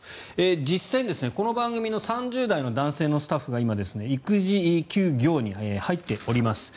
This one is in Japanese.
実際にこの番組の３０代の男性のスタッフが今、育児休業に入っています。